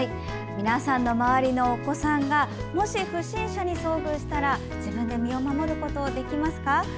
皆さんの周りのお子さんがもし不審者に遭遇したら自分で身を守ることできますか。